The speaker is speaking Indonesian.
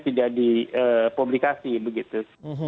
tidak dipublikasi begitu